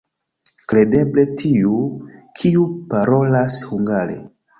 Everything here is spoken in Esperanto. Kredeble tiu, kiu parolas hungare.